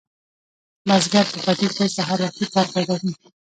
بزګر په پټي کې سهار وختي کار پیلوي.